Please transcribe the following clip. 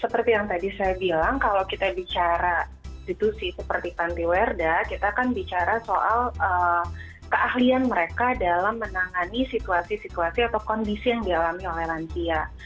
seperti yang tadi saya bilang kalau kita bicara institusi seperti pantiwerda kita kan bicara soal keahlian mereka dalam menangani situasi situasi atau kondisi yang dialami oleh lansia